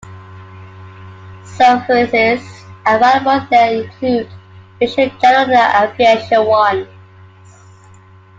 Services available there include the usual general aviation ones.